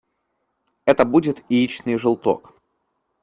Это будет яичный желток.